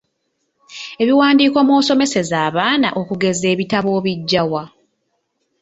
Ebiwandiiko mw’osomeseza abaana okugeza ebitabo obijja wa?